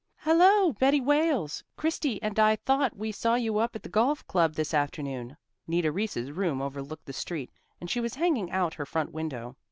"Hello, Betty Wales! Christy and I thought we saw you up at the golf club this afternoon." Nita Reese's room overlooked the street and she was hanging out her front window.